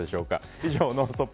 以上ノンストップ！